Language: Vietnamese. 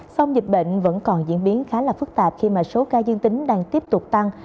song dịch bệnh vẫn còn diễn biến khá là phức tạp khi mà số ca dương tính đang tiếp tục tăng